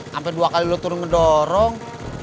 sampai dua kali lo turun ngedorong